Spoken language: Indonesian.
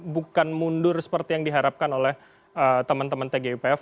bukan mundur seperti yang diharapkan oleh teman teman tgipf